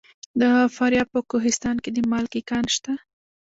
د فاریاب په کوهستان کې د مالګې کان شته.